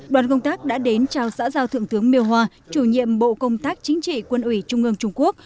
đoàn công tác đã đến trao xã giao thượng tướng miêu hòa chủ nhiệm bộ công tác chính trị quân ủy trung ương trung quốc